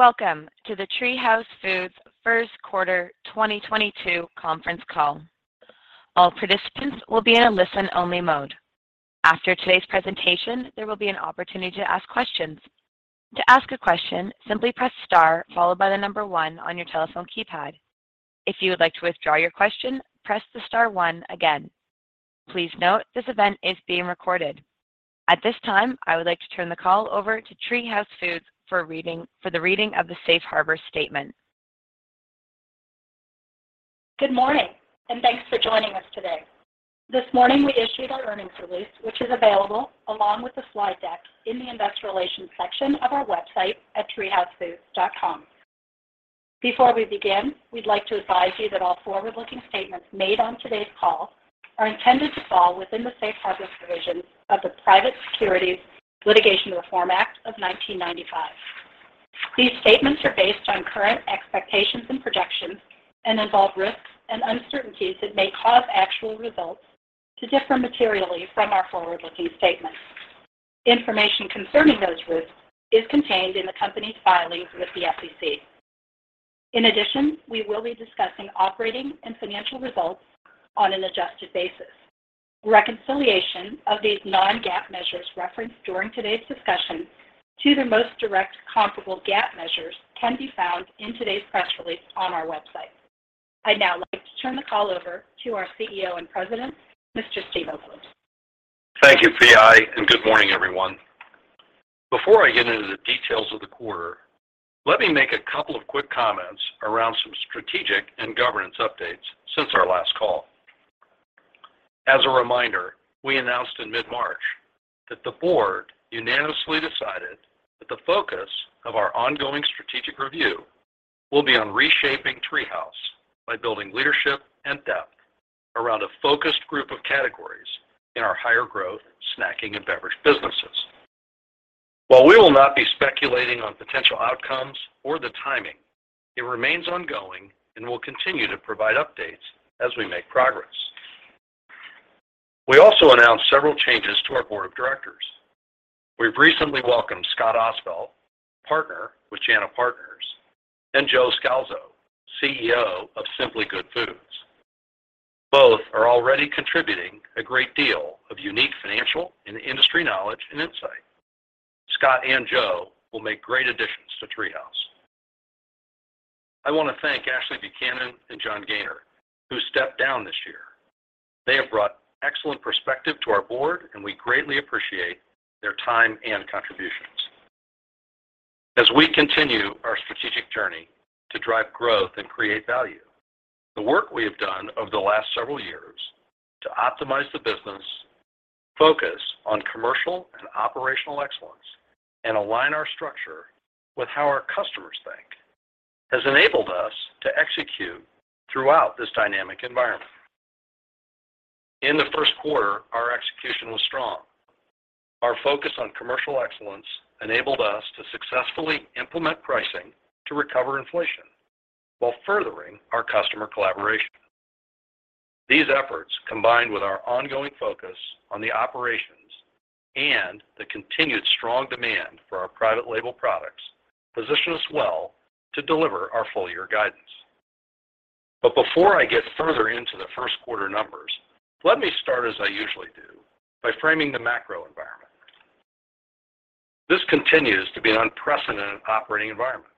Welcome to the TreeHouse Foods first quarter 2022 conference call. All participants will be in a listen only mode. After today's presentation, there will be an opportunity to ask questions. To ask a question, simply press star followed by the number one on your telephone keypad. If you would like to withdraw your question, press the star one again. Please note, this event is being recorded. At this time, I would like to turn the call over to TreeHouse Foods for the reading of the safe harbor statement. Good morning, and thanks for joining us today. This morning, we issued our earnings release, which is available along with the slide deck in the investor relations section of our website at treehousefoods.com. Before we begin, we'd like to advise you that all forward-looking statements made on today's call are intended to fall within the safe harbor provisions of the Private Securities Litigation Reform Act of 1995. These statements are based on current expectations and projections and involve risks and uncertainties that may cause actual results to differ materially from our forward-looking statements. Information concerning those risks is contained in the company's filings with the SEC. In addition, we will be discussing operating and financial results on an adjusted basis. Reconciliation of these non-GAAP measures referenced during today's discussion to their most direct comparable GAAP measures can be found in today's press release on our website. I'd now like to turn the call over to our CEO and President, Mr. Steve Oakland. Thank you, Pi, and good morning, everyone. Before I get into the details of the quarter, let me make a couple of quick comments around some strategic and governance updates since our last call. As a reminder, we announced in mid-March that the board unanimously decided that the focus of our ongoing strategic review will be on reshaping TreeHouse by building leadership and depth around a focused group of categories in our higher growth snacking and beverage businesses. While we will not be speculating on potential outcomes or the timing, it remains ongoing and will continue to provide updates as we make progress. We also announced several changes to our board of directors. We've recently welcomed Scott Ostfeld, Partner with JANA Partners, and Joe Scalzo, CEO of Simply Good Foods. Both are already contributing a great deal of unique financial and industry knowledge and insight. Scott and Joe will make great additions to TreeHouse. I wanna thank Ashley Buchanan and John Gainor, who stepped down this year. They have brought excellent perspective to our board, and we greatly appreciate their time and contributions. As we continue our strategic journey to drive growth and create value, the work we have done over the last several years to optimize the business, focus on commercial and operational excellence, and align our structure with how our customers think, has enabled us to execute throughout this dynamic environment. In the first quarter, our execution was strong. Our focus on commercial excellence enabled us to successfully implement pricing to recover inflation while furthering our customer collaboration. These efforts, combined with our ongoing focus on the operations and the continued strong demand for our private label products, position us well to deliver our full year guidance. Before I get further into the first quarter numbers, let me start as I usually do by framing the macro environment. This continues to be an unprecedented operating environment.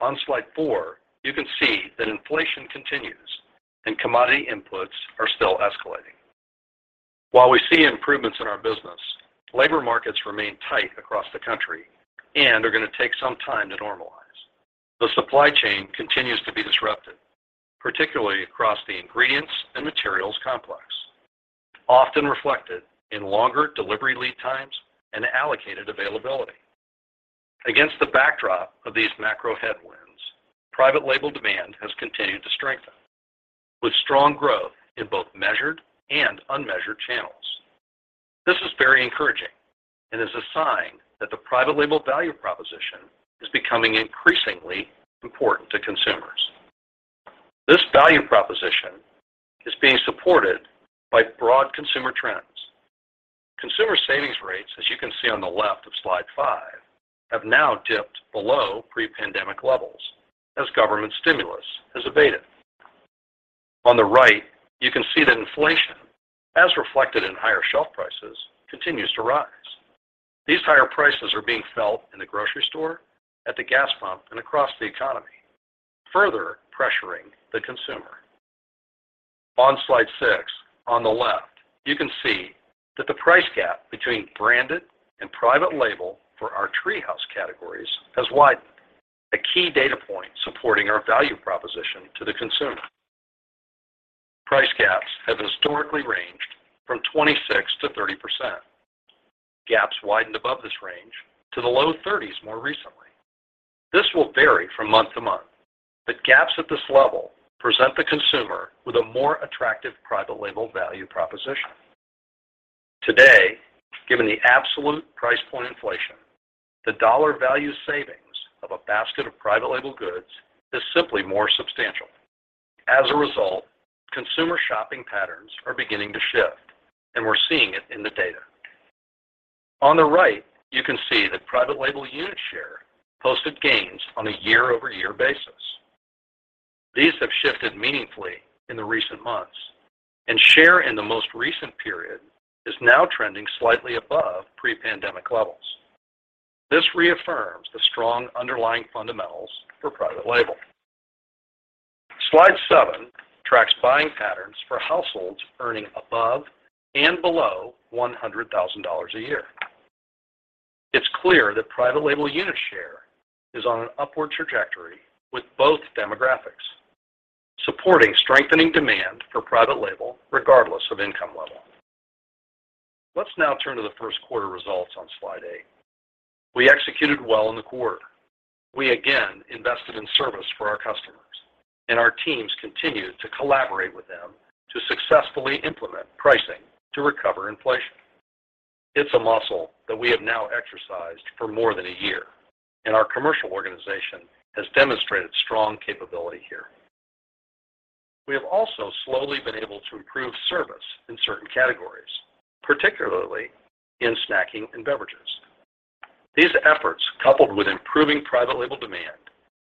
On slide 4, you can see that inflation continues and commodity inputs are still escalating. While we see improvements in our business, labor markets remain tight across the country and are gonna take some time to normalize. The supply chain continues to be disrupted, particularly across the ingredients and materials complex, often reflected in longer delivery lead times and allocated availability. Against the backdrop of these macro headwinds, private label demand has continued to strengthen with strong growth in both measured and unmeasured channels. This is very encouraging and is a sign that the private label value proposition is becoming increasingly important to consumers. This value proposition is being supported by broad consumer trends. Consumer savings rates, as you can see on the left of slide 5, have now dipped below pre-pandemic levels as government stimulus has abated. On the right, you can see that inflation, as reflected in higher shelf prices, continues to rise. These higher prices are being felt in the grocery store, at the gas pump, and across the economy, further pressuring the consumer. On slide 6, on the left, you can see that the price gap between branded and private label for our TreeHouse categories has widened, a key data point supporting our value proposition to the consumer. Price gaps have historically ranged from 26%-30%. Gaps widened above this range to the low 30s more recently. This will vary from month to month, but gaps at this level present the consumer with a more attractive private label value proposition. Today, given the absolute price point inflation, the dollar value savings of a basket of private label goods is simply more substantial. As a result, consumer shopping patterns are beginning to shift, and we're seeing it in the data. On the right, you can see that private label unit share posted gains on a year-over-year basis. These have shifted meaningfully in the recent months, and share in the most recent period is now trending slightly above pre-pandemic levels. This reaffirms the strong underlying fundamentals for private label. Slide 7 tracks buying patterns for households earning above and below $100,000 a year. It's clear that private label unit share is on an upward trajectory with both demographics, supporting strengthening demand for private label regardless of income level. Let's now turn to the first quarter results on slide 8. We executed well in the quarter. We again invested in service for our customers, and our teams continued to collaborate with them to successfully implement pricing to recover inflation. It's a muscle that we have now exercised for more than a year, and our commercial organization has demonstrated strong capability here. We have also slowly been able to improve service in certain categories, particularly in Snacking & Beverages. These efforts, coupled with improving private label demand,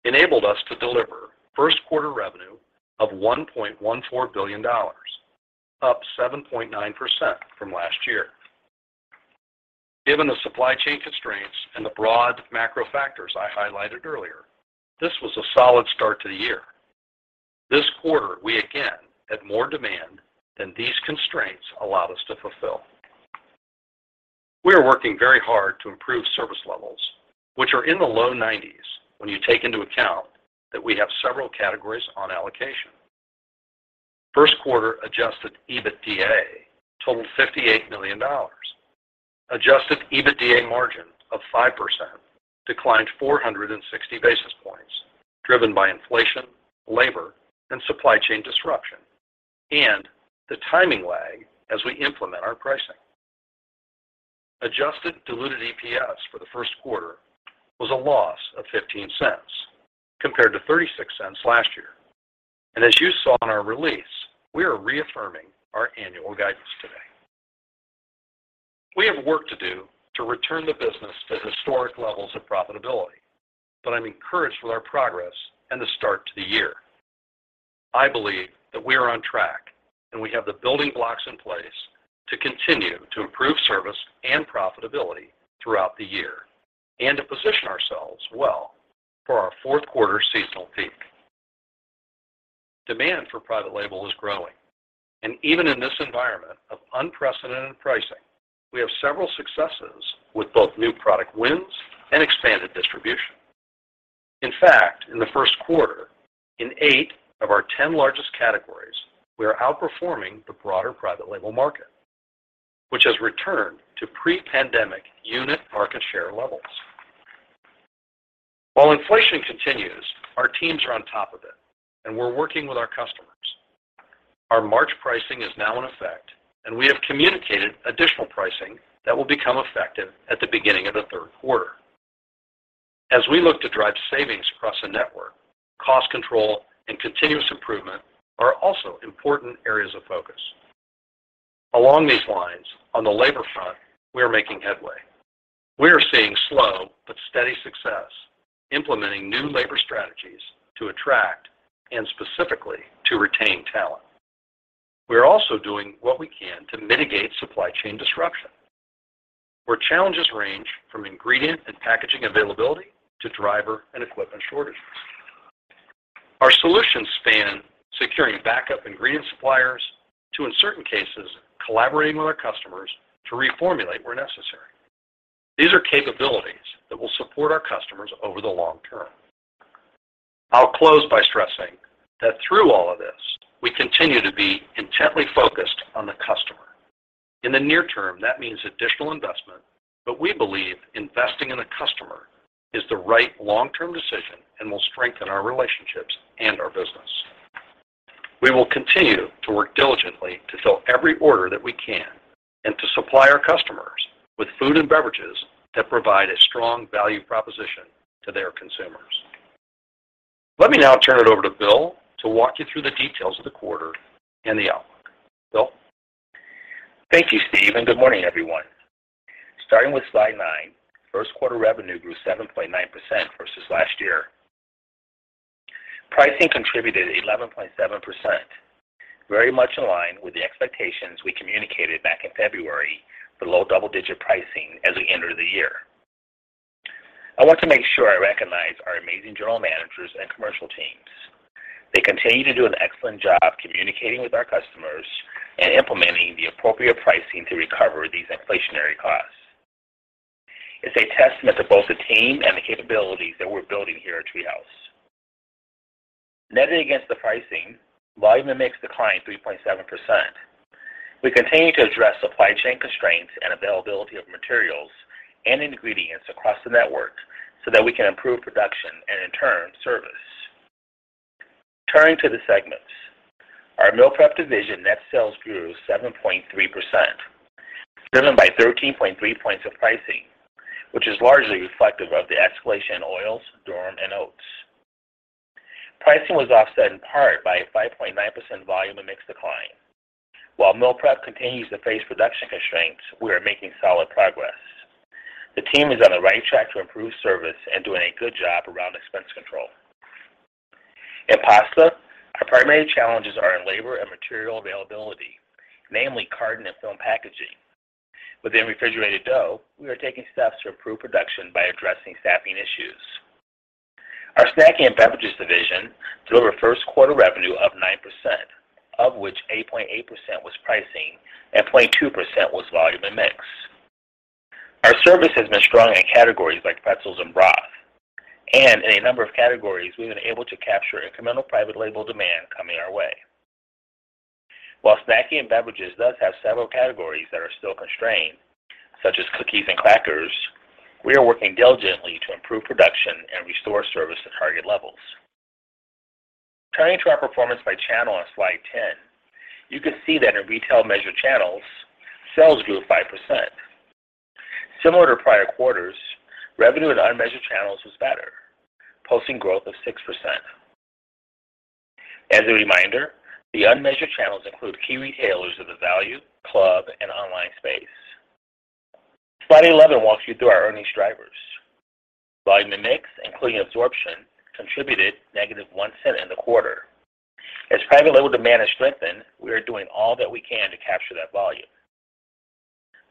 enabled us to deliver first quarter revenue of $1.14 billion, up 7.9% from last year. Given the supply chain constraints and the broad macro factors I highlighted earlier, this was a solid start to the year. This quarter, we again had more demand than these constraints allowed us to fulfill. We are working very hard to improve service levels, which are in the low 90s when you take into account that we have several categories on allocation. First quarter adjusted EBITDA totaled $58 million. Adjusted EBITDA margin of 5% declined 460 basis points, driven by inflation, labor, and supply chain disruption, and the timing lag as we implement our pricing. Adjusted diluted EPS for the first quarter was a loss of $0.15 compared to $0.36 last year. As you saw in our release, we are reaffirming our annual guidance today. We have work to do to return the business to historic levels of profitability, but I'm encouraged with our progress and the start to the year. I believe that we are on track, and we have the building blocks in place to continue to improve service and profitability throughout the year and to position ourselves well for our fourth quarter seasonal peak. Demand for private label is growing, and even in this environment of unprecedented pricing, we have several successes with both new product wins and expanded distribution. In fact, in the first quarter, in eight of our 10 largest categories, we are outperforming the broader private label market, which has returned to pre-pandemic unit market share levels. While inflation continues, our teams are on top of it, and we're working with our customers. Our March pricing is now in effect, and we have communicated additional pricing that will become effective at the beginning of the third quarter. As we look to drive savings across the network, cost control and continuous improvement are also important areas of focus. Along these lines, on the labor front, we are making headway. We are seeing slow but steady success implementing new labor strategies to attract and specifically to retain talent. We are also doing what we can to mitigate supply chain disruption, where challenges range from ingredient and packaging availability to driver and equipment shortages. Our solutions span securing backup ingredient suppliers to, in certain cases, collaborating with our customers to reformulate where necessary. These are capabilities that will support our customers over the long term. I'll close by stressing that through all of this, we continue to be intently focused on the customer. In the near term, that means additional investment, but we believe investing in the customer is the right long-term decision and will strengthen our relationships and our business. We will continue to work diligently to fill every order that we can and to supply our customers with food and beverages that provide a strong value proposition to their consumers. Let me now turn it over to Bill to walk you through the details of the quarter and the outlook. Bill? Thank you, Steve, and good morning, everyone. Starting with slide 9, first quarter revenue grew 7.9% versus last year. Pricing contributed 11.7%, very much in line with the expectations we communicated back in February for low double-digit pricing as we enter the year. I want to make sure I recognize our amazing general managers and commercial teams. They continue to do an excellent job communicating with our customers and implementing the appropriate pricing to recover these inflationary costs. It's a testament to both the team and the capabilities that we're building here at TreeHouse. Netting against the pricing, volume mix declined 3.7%. We continue to address supply chain constraints and availability of materials and ingredients across the network so that we can improve production and, in turn, service. Turning to the segments, our Meal Preparation division net sales grew 7.3%, driven by 13.3 points of pricing, which is largely reflective of the escalation in oils, durum, and oats. Pricing was offset in part by a 5.9% volume and mix decline. While Meal Preparation continues to face production constraints, we are making solid progress. The team is on the right track to improve service and doing a good job around expense control. In pasta, our primary challenges are in labor and material availability, namely carton and film packaging. Within refrigerated dough, we are taking steps to improve production by addressing staffing issues. Our Snacking & Beverages division delivered first quarter revenue of 9%, of which 8.8% was pricing and 0.2% was volume and mix. Our service has been strong in categories like pretzels and broth, and in a number of categories, we've been able to capture incremental private label demand coming our way. While Snacking & Beverages does have several categories that are still constrained, such as cookies and crackers, we are working diligently to improve production and restore service to target levels. Turning to our performance by channel on slide 10, you can see that in retail measured channels, sales grew 5%. Similar to prior quarters, revenue in unmeasured channels was better, posting growth of 6%. As a reminder, the unmeasured channels include key retailers of the value, club, and online space. Slide 11 walks you through our earnings drivers. Volume and mix, including absorption, contributed -$0.01 in the quarter. As private label demand has strengthened, we are doing all that we can to capture that volume.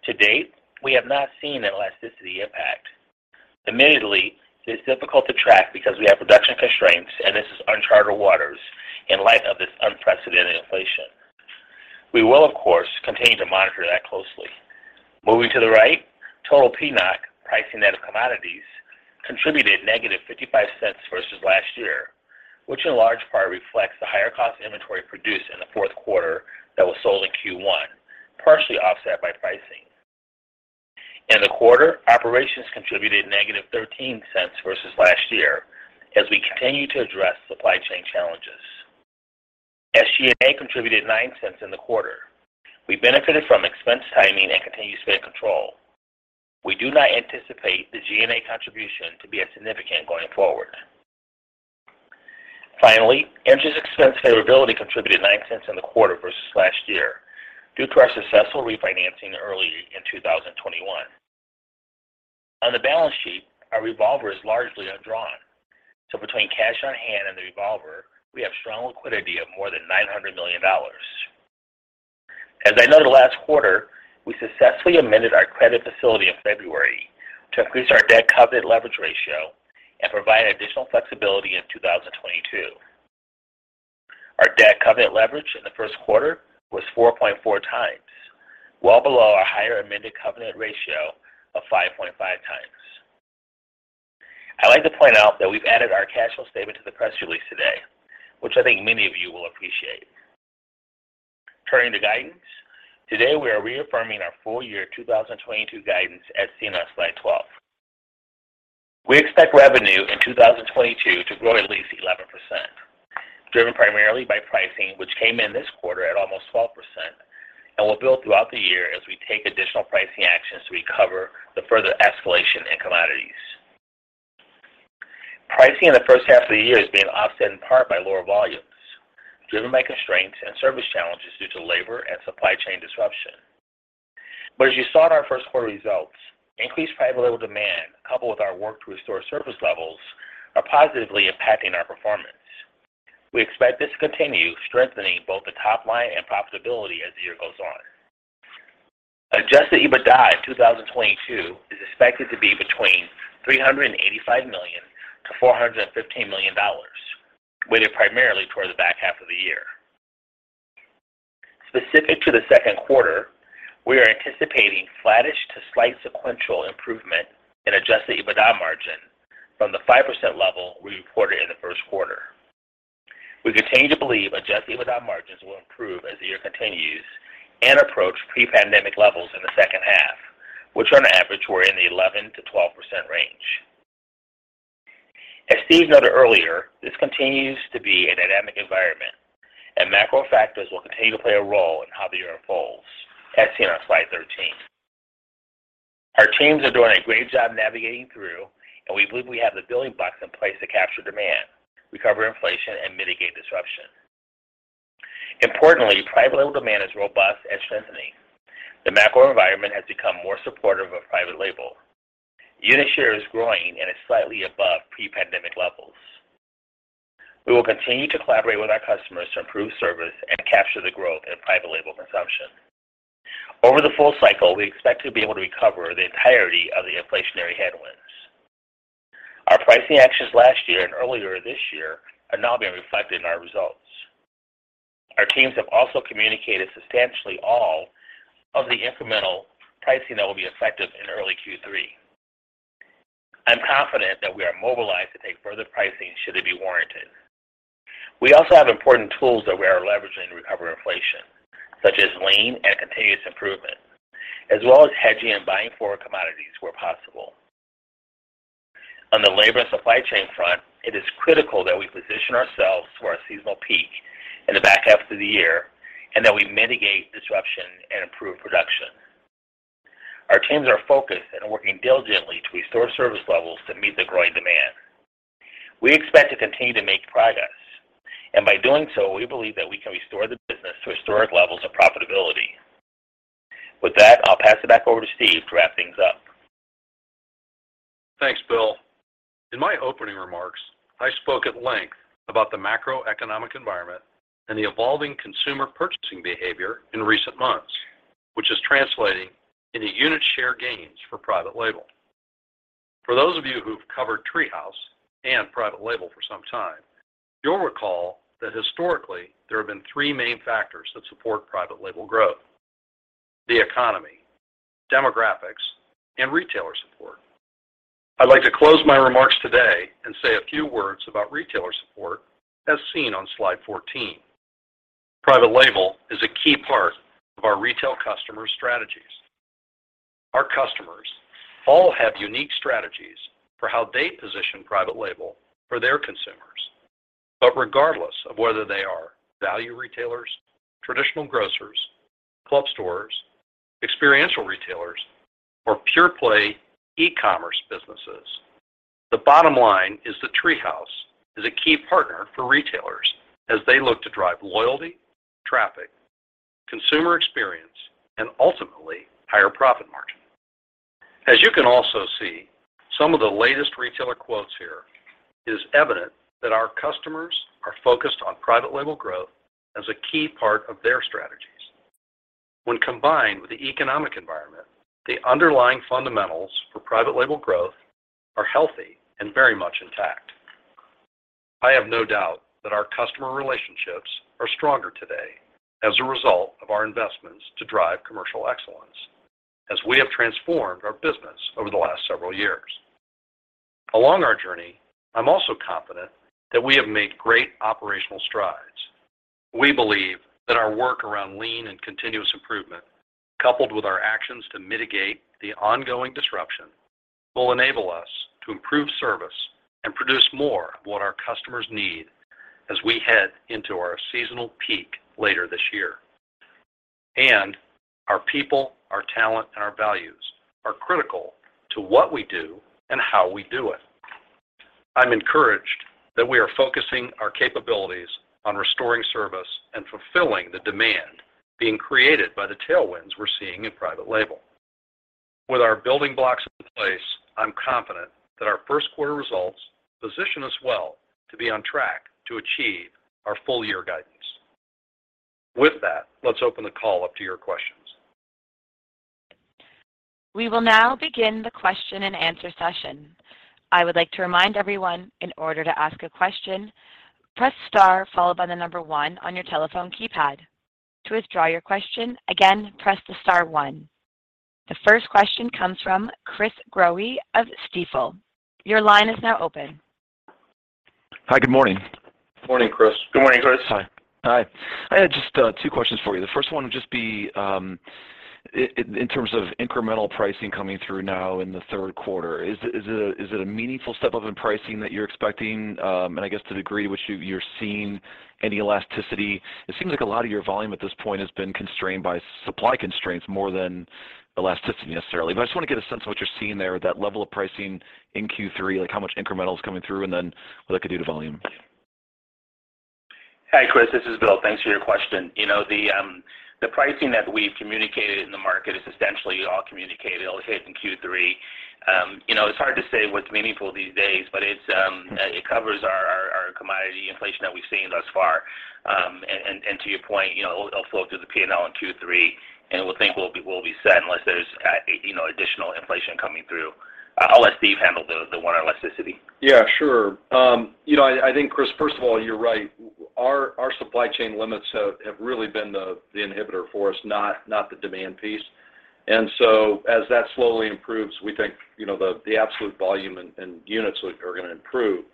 To date, we have not seen an elasticity impact. Admittedly, it's difficult to track because we have production constraints, and this is uncharted waters in light of this unprecedented inflation. We will, of course, continue to monitor that closely. Moving to the right, total PNOC, pricing net of commodities, contributed -$0.55 versus last year, which in large part reflects the higher cost inventory produced in the fourth quarter that was sold in Q1, partially offset by pricing. In the quarter, operations contributed -$0.13 versus last year as we continue to address supply chain challenges. SG&A contributed $0.09 in the quarter. We benefited from expense timing and continued spend control. We do not anticipate the G&A contribution to be as significant going forward. Finally, interest expense favorability contributed $0.09 in the quarter versus last year due to our successful refinancing early in 2021. On the balance sheet, our revolver is largely undrawn. Between cash on hand and the revolver, we have strong liquidity of more than $900 million. As I noted last quarter, we successfully amended our credit facility in February to increase our debt covenant leverage ratio and provide additional flexibility in 2022. Our debt covenant leverage in the first quarter was 4.4x, well below our higher amended covenant ratio of 5.5x. I'd like to point out that we've added our cash flow statement to the press release today, which I think many of you will appreciate. Turning to guidance, today we are reaffirming our full year 2022 guidance as seen on slide 12. We expect revenue in 2022 to grow at least 11%, driven primarily by pricing, which came in this quarter at almost 12% and will build throughout the year as we take additional pricing actions to recover the further escalation in commodities. Pricing in the first half of the year is being offset in part by lower volumes, driven by constraints and service challenges due to labor and supply chain disruption. As you saw in our first quarter results, increased private label demand, coupled with our work to restore service levels, are positively impacting our performance. We expect this to continue strengthening both the top line and profitability as the year goes on. Adjusted EBITDA in 2022 is expected to be between $385 million-$415 million, weighted primarily towards the back half of the year. Specific to the second quarter, we are anticipating flattish to slight sequential improvement in adjusted EBITDA margin from the 5% level we reported in the first quarter. We continue to believe adjusted EBITDA margins will improve as the year continues and approach pre-pandemic levels in the second half, which on average were in the 11%-12% range. As Steve noted earlier, this continues to be a dynamic environment, and macro factors will continue to play a role in how the year unfolds as seen on slide 13. Our teams are doing a great job navigating through, and we believe we have the building blocks in place to capture demand, recover inflation, and mitigate disruption. Importantly, private label demand is robust and strengthening. The macro environment has become more supportive of private label. Unit share is growing and is slightly above pre-pandemic levels. We will continue to collaborate with our customers to improve service and capture the growth in private label consumption. Over the full cycle, we expect to be able to recover the entirety of the inflationary headwinds. Our pricing actions last year and earlier this year are now being reflected in our results. Our teams have also communicated substantially all of the incremental pricing that will be effective in early Q3. I'm confident that we are mobilized to take further pricing should it be warranted. We also have important tools that we are leveraging to recover inflation, such as lean and continuous improvement, as well as hedging and buying forward commodities where possible. On the labor and supply chain front, it is critical that we position ourselves for our seasonal peak in the back half of the year and that we mitigate disruption and improve production. Our teams are focused and working diligently to restore service levels to meet the growing demand. We expect to continue to make progress, and by doing so, we believe that we can restore the business to historic levels of profitability. With that, I'll pass it back over to Steve to wrap things up. Thanks, Bill. In my opening remarks, I spoke at length about the macroeconomic environment and the evolving consumer purchasing behavior in recent months, which is translating into unit share gains for private label. For those of you who've covered TreeHouse and private label for some time, you'll recall that historically, there have been three main factors that support private label growth: the economy, demographics, and retailer support. I'd like to close my remarks today and say a few words about retailer support as seen on slide 14. Private label is a key part of our retail customer strategies. Our customers all have unique strategies for how they position private label for their consumers. Regardless of whether they are value retailers, traditional grocers, club stores, experiential retailers, or pure-play e-commerce businesses, the bottom line is that TreeHouse is a key partner for retailers as they look to drive loyalty, traffic, consumer experience, and ultimately, higher profit margin. As you can also see, some of the latest retailer quotes here is evident that our customers are focused on private label growth as a key part of their strategies. When combined with the economic environment, the underlying fundamentals for private label growth are healthy and very much intact. I have no doubt that our customer relationships are stronger today as a result of our investments to drive commercial excellence as we have transformed our business over the last several years. Along our journey, I'm also confident that we have made great operational strides. We believe that our work around lean and continuous improvement, coupled with our actions to mitigate the ongoing disruption, will enable us to improve service and produce more of what our customers need as we head into our seasonal peak later this year. Our people, our talent, and our values are critical to what we do and how we do it. I'm encouraged that we are focusing our capabilities on restoring service and fulfilling the demand being created by the tailwinds we're seeing in private label. With our building blocks in place, I'm confident that our first quarter results position us well to be on track to achieve our full year guidance. With that, let's open the call up to your questions. We will now begin the question and answer session. I would like to remind everyone, in order to ask a question, press star followed by the number one on your telephone keypad. To withdraw your question, again, press the star one. The first question comes from Chris Growe of Stifel. Your line is now open. Hi, good morning. Morning, Chris. Good morning, Chris. Hi. I had just two questions for you. The first one would just be in terms of incremental pricing coming through now in the third quarter, is it a meaningful step up in pricing that you're expecting, and I guess the degree to which you're seeing any elasticity? It seems like a lot of your volume at this point has been constrained by supply constraints more than elasticity necessarily. I just want to get a sense of what you're seeing there, that level of pricing in Q3, like how much incremental is coming through and then what that could do to volume. Hi, Chris. This is Bill. Thanks for your question. You know, the pricing that we've communicated in the market is essentially all communicated. It'll hit in Q3. You know, it's hard to say what's meaningful these days, but it covers our commodity inflation that we've seen thus far. To your point, you know, it'll flow through the P&L in Q3, and we think we'll be set unless there's, you know, additional inflation coming through. I'll let Steve handle the one on elasticity. Yeah, sure. I think, Chris, first of all, you're right. Our supply chain limits have really been the inhibitor for us, not the demand piece. As that slowly improves, we think, you know, the absolute volume and units are gonna improve.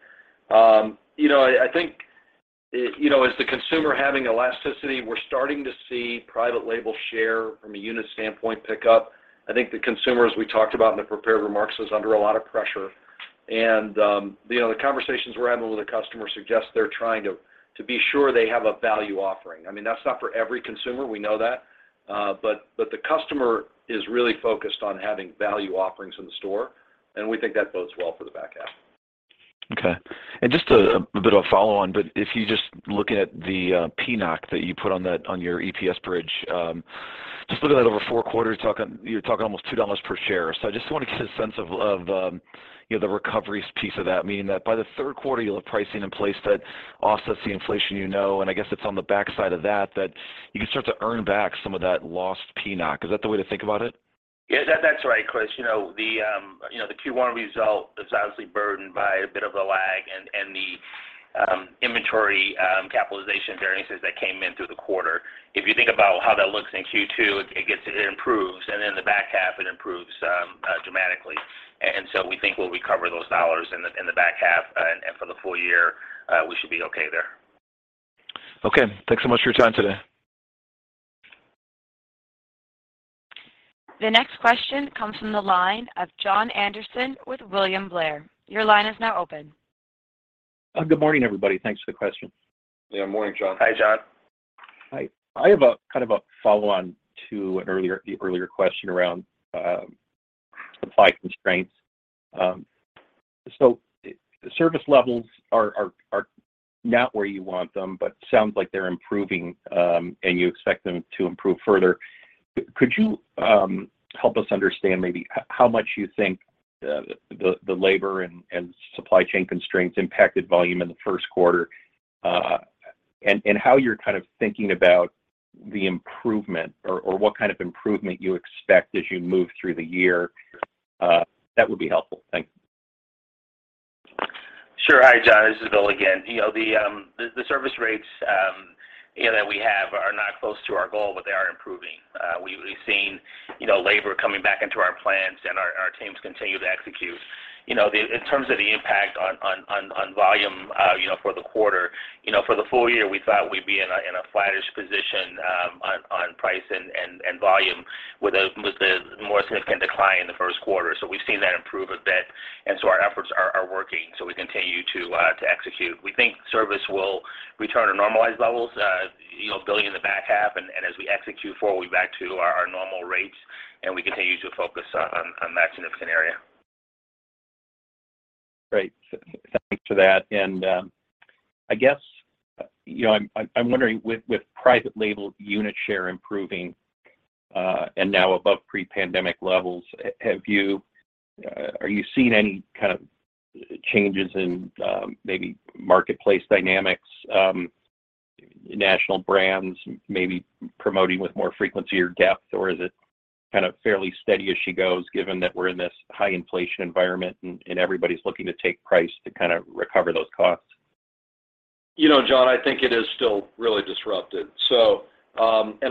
You know, I think, you know, as the consumer having elasticity, we're starting to see private label share from a unit standpoint pick up. I think the consumer, as we talked about in the prepared remarks, is under a lot of pressure. The conversations we're having with the customer suggest they're trying to be sure they have a value offering. I mean, that's not for every consumer, we know that, but the customer is really focused on having value offerings in the store, and we think that bodes well for the back half. Okay. Just a bit of a follow-on, but if you just look at the PNOC that you put on that, on your EPS bridge, just look at that over four quarters, you're talking almost $2 per share. I just want to get a sense of, you know, the recovery piece of that, meaning that by the third quarter, you'll have pricing in place that offsets the inflation you know. I guess it's on the backside of that you can start to earn back some of that lost PNOC. Is that the way to think about it? Yeah. That's right, Chris. You know, the Q1 result is obviously burdened by a bit of a lag and the inventory capitalization variances that came in through the quarter. If you think about how that looks in Q2, it improves, and in the back half, it improves dramatically. We think we'll recover those dollars in the back half and for the full year, we should be okay there. Okay. Thanks so much for your time today. The next question comes from the line of Jon Andersen with William Blair. Your line is now open. Good morning, everybody. Thanks for the question. Yeah, morning, Jon. Hi, Jon. Hi. I have a kind of a follow-on to an earlier question around supply constraints. Service levels are not where you want them, but sounds like they're improving, and you expect them to improve further. Could you help us understand maybe how much you think the labor and supply chain constraints impacted volume in the first quarter? How you're kind of thinking about the improvement or what kind of improvement you expect as you move through the year? That would be helpful. Thanks. Sure. Hi, Jon, this is Bill again. You know, the service rates you know that we have are not close to our goal, but they are improving. We've seen you know labor coming back into our plants, and our teams continue to execute. You know, in terms of the impact on volume, you know, for the quarter, you know, for the full year, we thought we'd be in a flattish position on price and volume with a more significant decline in the first quarter. We've seen that improve a bit, and our efforts are working, so we continue to execute. We think service will return to normalized levels, you know, building in the back half, and as we execute forward, we're back to our normal rates, and we continue to focus on that significant area. Great. Thanks for that. I guess I'm wondering with private label unit share improving and now above pre-pandemic levels, are you seeing any kind of changes in maybe marketplace dynamics, national brands maybe promoting with more frequency or depth? Or is it kind of fairly steady as she goes, given that we're in this high inflation environment and everybody's looking to take price to kind of recover those costs? You know, Jon, I think it is still really disrupted.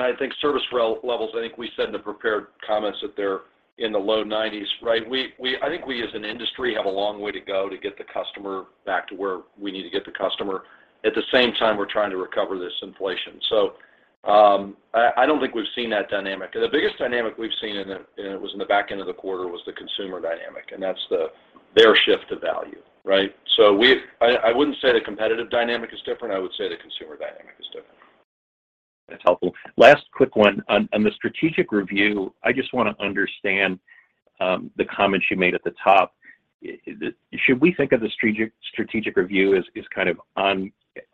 I think service levels, I think we said in the prepared comments that they're in the low 90s, right? I think we as an industry have a long way to go to get the customer back to where we need to get the customer. At the same time, we're trying to recover this inflation. I don't think we've seen that dynamic. The biggest dynamic we've seen, and it was in the back end of the quarter, was the consumer dynamic, and that's their shift to value, right? I wouldn't say the competitive dynamic is different. I would say the consumer dynamic is different. That's helpful. Last quick one. On the strategic review, I just wanna understand the comments you made at the top. Should we think of the strategic review as kind of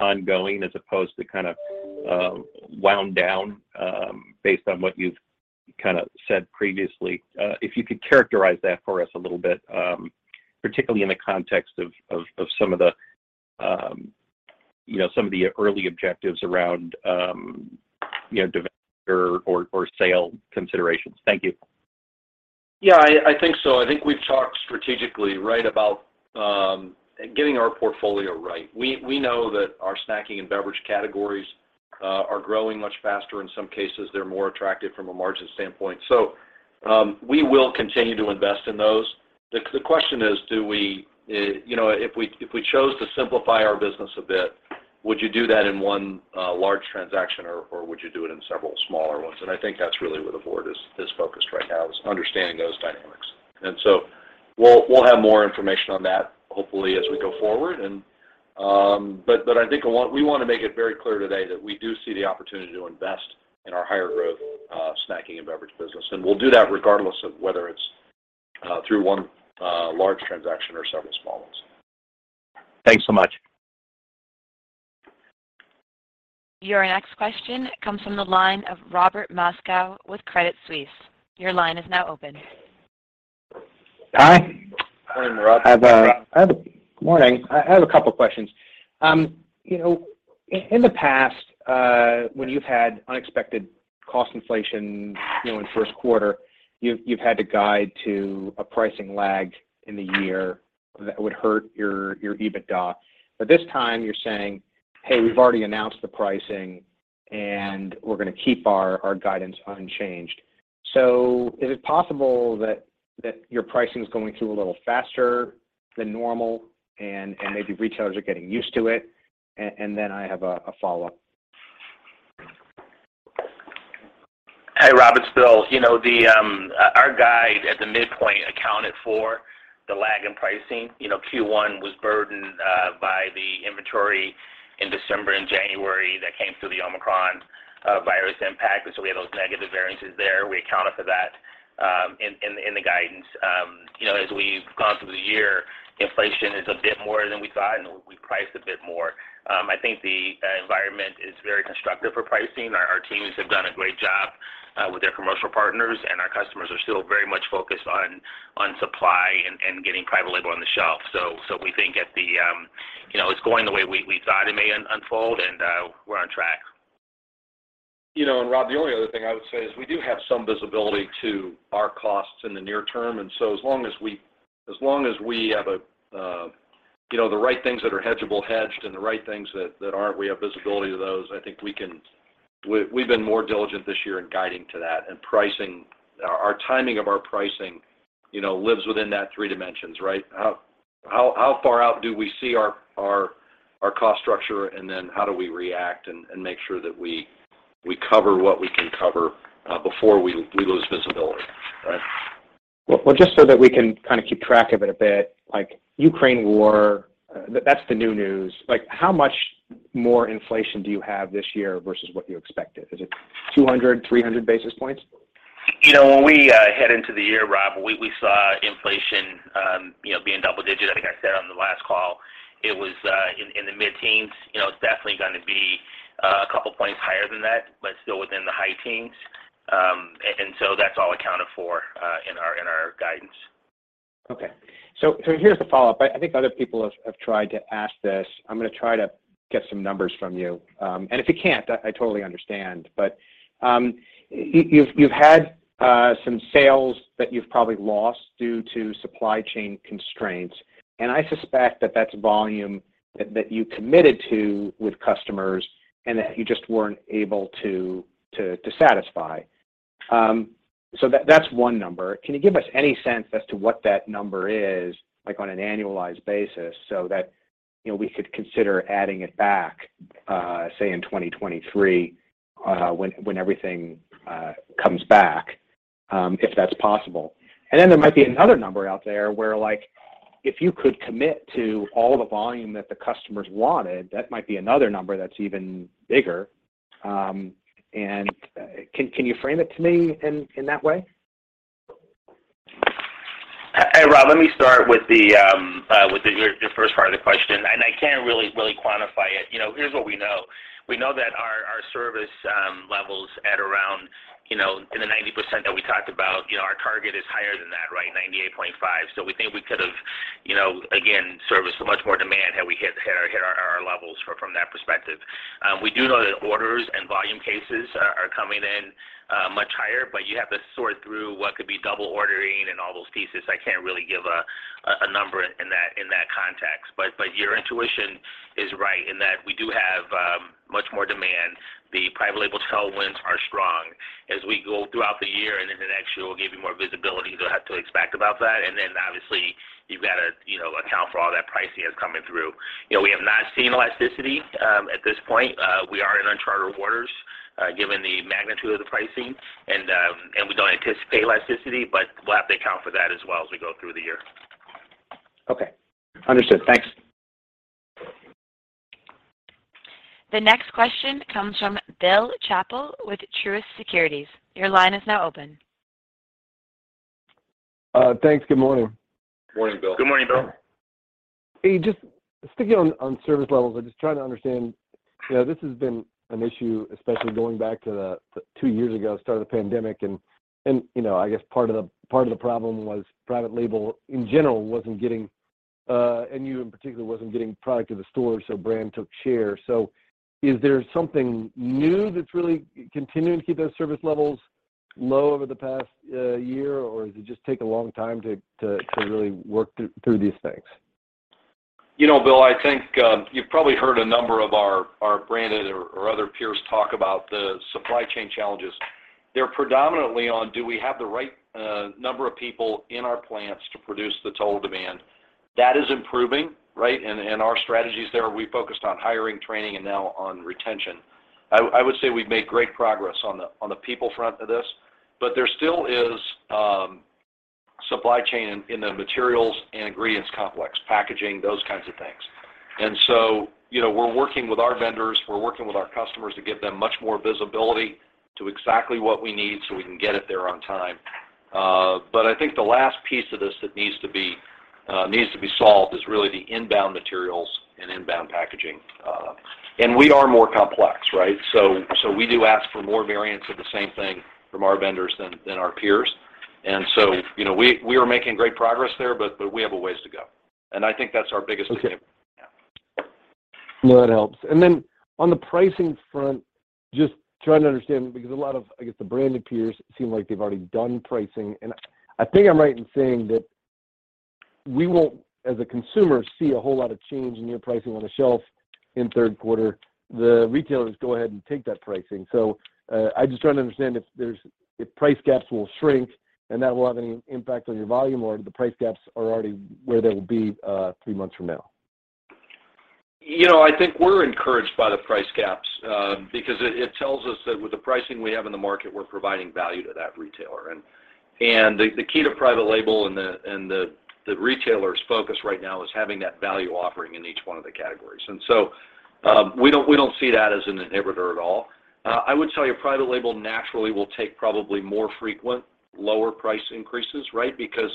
ongoing as opposed to kind of wound down based on what you've kinda said previously? If you could characterize that for us a little bit, particularly in the context of some of the you know some of the early objectives around you know developer or sale considerations. Thank you. Yeah, I think so. I think we've talked strategically, right, about getting our portfolio right. We know that our snacking and beverage categories are growing much faster. In some cases, they're more attractive from a margin standpoint. We will continue to invest in those. The question is, do we, you know, if we chose to simplify our business a bit, would you do that in one large transaction, or would you do it in several smaller ones? I think that's really where the board is focused right now is understanding those dynamics. We'll have more information on that hopefully as we go forward. We wanna make it very clear today that we do see the opportunity to invest in our higher growth snacking and beverage business, and we'll do that regardless of whether it's through one large transaction or several small ones. Thanks so much. Your next question comes from the line of Robert Moskow with Credit Suisse. Your line is now open. Hi. Morning, Rob. Morning. I have a couple questions. You know, in the past, when you've had unexpected cost inflation, you know, in first quarter, you've had to guide to a pricing lag in the year that would hurt your EBITDA. This time you're saying, "Hey, we've already announced the pricing, and we're gonna keep our guidance unchanged." Is it possible that your pricing's going through a little faster than normal and maybe retailers are getting used to it? And then I have a follow-up. Hey, Robert. It's Bill. You know, our guide at the midpoint accounted for the lag in pricing. You know, Q1 was burdened by the inventory in December and January that came through the Omicron virus impact, and we had those negative variances there. We accounted for that in the guidance. You know, as we've gone through the year, inflation is a bit more than we thought, and we priced a bit more. I think the environment is very constructive for pricing. Our teams have done a great job with their commercial partners, and our customers are still very much focused on supply and getting private label on the shelf. We think, you know, it's going the way we thought it may unfold, and we're on track. You know, Rob, the only other thing I would say is we do have some visibility to our costs in the near term, and so as long as we have a, you know, the right things that are hedgeable hedged and the right things that aren't, we have visibility to those. I think we can, we've been more diligent this year in guiding to that and pricing, our timing of our pricing, you know, lives within that three dimensions, right? How far out do we see our cost structure, and then how do we react and make sure that we cover what we can cover, before we lose visibility. Right. Well, just so that we can kind of keep track of it a bit, like Ukraine war, that's the new news. Like, how much more inflation do you have this year versus what you expected? Is it 200, 300 basis points? You know, when we head into the year, Rob, we saw inflation, you know, being double-digit. I think I said on the last call, it was in the mid-teens. You know, it's definitely gonna be a couple points higher than that, but still within the high teens. That's all accounted for in our guidance. Okay. Here's the follow-up. I think other people have tried to ask this. I'm gonna try to get some numbers from you. If you can't, I totally understand. You've had some sales that you've probably lost due to supply chain constraints, and I suspect that that's volume that you committed to with customers and that you just weren't able to satisfy. That's one number. Can you give us any sense as to what that number is, like, on an annualized basis so that, you know, we could consider adding it back, say in 2023, when everything comes back, if that's possible? There might be another number out there where, like, if you could commit to all the volume that the customers wanted, that might be another number that's even bigger. Can you frame it to me in that way? Hey, Rob, let me start with your first part of the question, and I can't really quantify it. You know, here's what we know. We know that our service levels at around 90% that we talked about. You know, our target is higher than that, right? 98.5%. We think we could have, you know, again, serviced so much more demand had we hit our levels from that perspective. We do know that orders and volume cases are coming in much higher, but you have to sort through what could be double ordering and all those pieces. I can't really give a number in that context. But your intuition is right in that we do have much more demand. The private label tailwinds are strong. As we go throughout the year into next year, we'll give you more visibility you'll have to expect about that. Obviously you've got to, you know, account for all that pricing that's coming through. You know, we have not seen elasticity at this point. We are in uncharted waters, given the magnitude of the pricing and we don't anticipate elasticity, but we'll have to account for that as well as we go through the year. Okay. Understood. Thanks. The next question comes from Bill Chappell with Truist Securities. Your line is now open. Thanks. Good morning. Morning, Bill. Good morning, Bill. Hey, just sticking on service levels, I'm just trying to understand. You know, this has been an issue, especially going back to the two years ago start of the pandemic, and you know, I guess part of the problem was private label in general wasn't getting, and you in particular, wasn't getting product to the store, so brand took share. Is there something new that's really continuing to keep those service levels low over the past year, or does it just take a long time to really work through these things? You know, Bill, I think you've probably heard a number of our branded or other peers talk about the supply chain challenges. They're predominantly on do we have the right number of people in our plants to produce the total demand. That is improving, right? Our strategies there, we focused on hiring, training, and now on retention. I would say we've made great progress on the people front of this, but there still is supply chain in the materials and ingredients complex, packaging, those kinds of things. You know, we're working with our vendors, we're working with our customers to give them much more visibility to exactly what we need, so we can get it there on time. I think the last piece of this that needs to be solved is really the inbound materials and inbound packaging. We are more complex, right? We do ask for more variants of the same thing from our vendors than our peers. You know, we are making great progress there, but we have a ways to go, and I think that's our biggest Okay. Yeah. No, that helps. Then on the pricing front, just trying to understand because a lot of, I guess, the branded peers seem like they've already done pricing. I think I'm right in saying that we won't, as a consumer, see a whole lot of change in your pricing on the shelf in third quarter. The retailers go ahead and take that pricing. I'm just trying to understand if price gaps will shrink and that will have any impact on your volume, or the price gaps are already where they will be, three months from now. You know, I think we're encouraged by the price gaps, because it tells us that with the pricing we have in the market, we're providing value to that retailer. The key to private label and the retailer's focus right now is having that value offering in each one of the categories. We don't see that as an inhibitor at all. I would tell you private label naturally will take probably more frequent lower price increases, right? Because,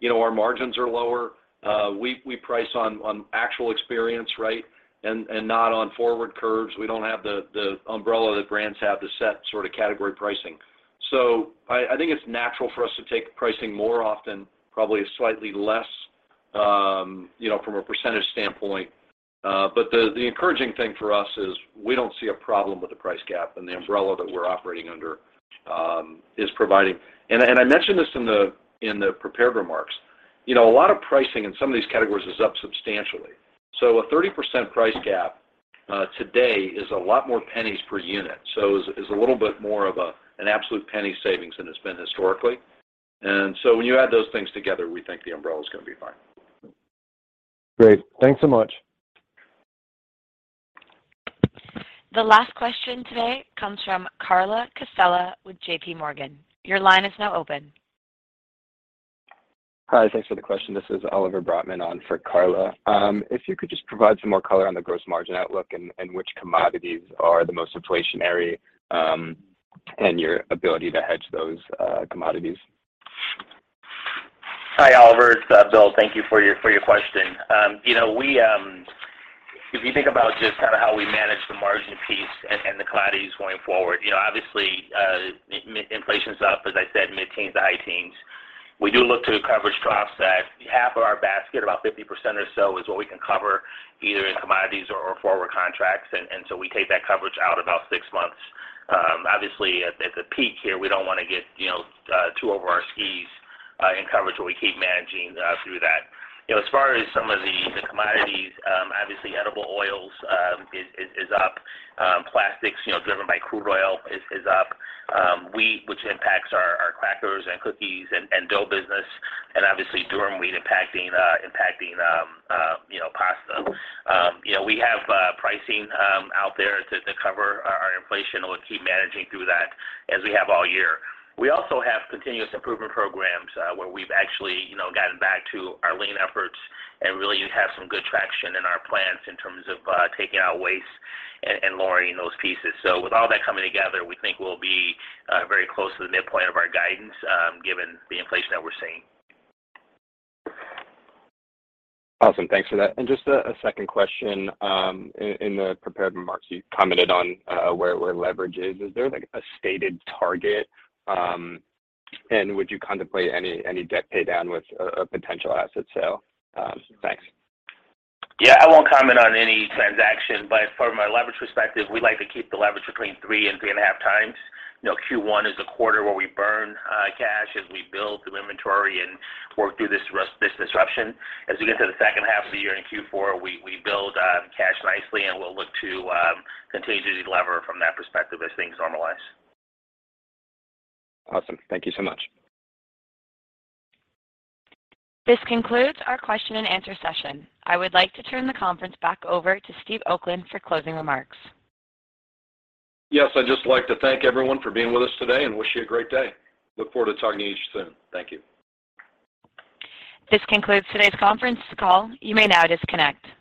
you know, our margins are lower. We price on actual experience, right, not on forward curves. We don't have the umbrella that brands have to set sort of category pricing. I think it's natural for us to take pricing more often, probably slightly less, you know, from a percentage standpoint. The encouraging thing for us is we don't see a problem with the price gap and the umbrella that we're operating under is providing. I mentioned this in the prepared remarks. You know, a lot of pricing in some of these categories is up substantially. A 30% price gap today is a lot more pennies per unit, so it's a little bit more of an absolute penny savings than it's been historically. When you add those things together, we think the umbrella's gonna be fine. Great. Thanks so much. The last question today comes from Carla Casella with JPMorgan. Your line is now open. Hi. Thanks for the question. This is Oliver Brotman on for Carla. If you could just provide some more color on the gross margin outlook and which commodities are the most inflationary, and your ability to hedge those commodities. Hi, Oliver. It's Bill. Thank you for your question. You know, if you think about just kinda how we manage the margin piece and the commodities going forward, you know, obviously, inflation's up, as I said, mid-teens to high teens. We do look to the coverage drops at half of our basket, about 50% or so is what we can cover either in commodities or forward contracts. We take that coverage out about six months. Obviously at the peak here, we don't wanna get, you know, too over our skis in coverage, but we keep managing through that. You know, as far as some of the commodities, obviously edible oils is up. Plastics, you know, driven by crude oil is up. Wheat, which impacts our crackers and cookies and dough business, and obviously durum wheat impacting you know, pasta. You know, we have pricing out there to cover our inflation, and we'll keep managing through that as we have all year. We also have continuous improvement programs, where we've actually you know, gotten back to our lean efforts and really have some good traction in our plants in terms of taking out waste and lowering those pieces. With all that coming together, we think we'll be very close to the midpoint of our guidance, given the inflation that we're seeing. Awesome. Thanks for that. Just a second question. In the prepared remarks, you commented on where leverage is. Is there, like, a stated target? Would you contemplate any debt pay down with a potential asset sale? Thanks. Yeah, I won't comment on any transaction, but from a leverage perspective, we like to keep the leverage between 3x and 3.5x. You know, Q1 is a quarter where we burn cash as we build the inventory and work through this disruption. As we get to the second half of the year in Q4, we build cash nicely, and we'll look to continuously lever from that perspective as things normalize. Awesome. Thank you so much. This concludes our question and answer session. I would like to turn the conference back over to Steve Oakland for closing remarks. Yes, I'd just like to thank everyone for being with us today and wish you a great day. Look forward to talking to you soon. Thank you. This concludes today's conference call. You may now disconnect.